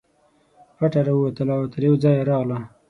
پټه راووتله او تر یوه ځایه راغله.